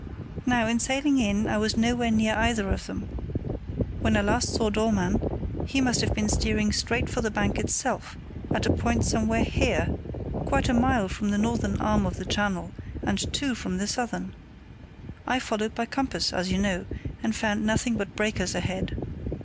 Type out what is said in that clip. Now, in sailing in I was nowhere near either of them. When I last saw Dollmann he must have been steering straight for the bank itself, at a point somewhere here, quite a mile from the northern arm of the channel, and two from the southern. I followed by compass, as you know, and found nothing but breakers ahead.